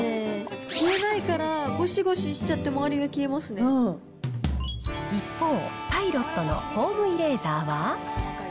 消えないからごしごししちゃって一方、パイロットのフェームイレーザーは。